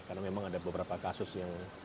karena memang ada beberapa kasus yang